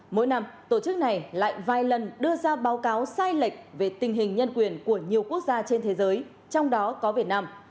mỗi năm tổ chức này lại vài lần đưa ra báo cáo sai lệch về tình hình nhân quyền của nhiều quốc gia trên thế giới trong đó có việt nam